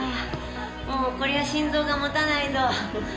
もうこりゃ、心臓が持たないぞ。